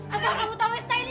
asal kamu tau esok ini